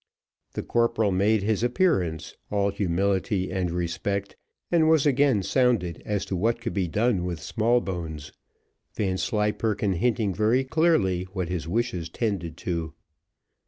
The corporal made his appearance, all humility and respect, and was again sounded as to what could be done with Smallbones, Vanslyperken hinting very clearly what his wishes tended to.